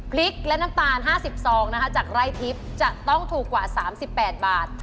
พริกและน้ำตาล๕๐ซองนะคะจากไร่ทิพย์จะต้องถูกกว่า๓๘บาท